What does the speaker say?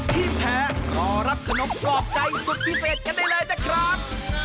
ที่แพ้รอรับขนมปลอบใจสุดพิเศษกันได้เลยนะครับ